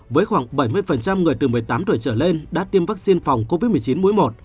với khoảng bảy mươi người từ một mươi tám tuổi trở lên đã tiêm vaccine phòng covid một mươi chín mũi một